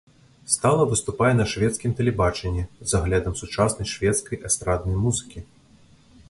Стала выступае на шведскім тэлебачанні з аглядам сучаснай шведскай эстраднай музыкі.